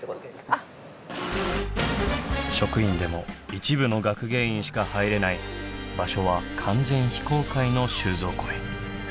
職員でも一部の学芸員しか入れない場所は完全非公開の収蔵庫へ。